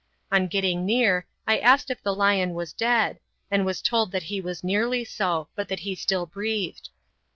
On getting near I asked if the lion was dead, and was told that he was nearly so, but that he still breathed.